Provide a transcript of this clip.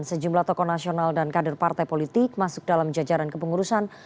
sejumlah tokoh nasional dan kader partai politik masuk dalam jajaran kepengurusan